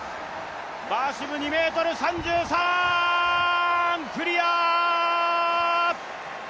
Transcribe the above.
バーシム、２ｍ３３、クリア！